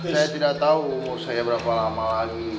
saya tidak tahu saya berapa lama lagi